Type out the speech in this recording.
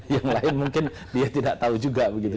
yang lain mungkin dia tidak tahu juga begitu